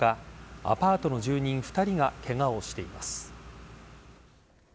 アパートの住人２人がケガをしています。